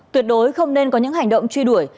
tuyệt đối không nên có những hành động truy đuổi